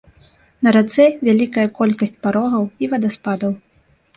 На рацэ вялікая колькасць парогаў і вадаспадаў.